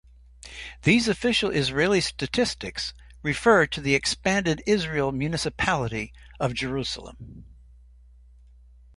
These official Israeli statistics refer to the expanded Israel municipality of Jerusalem.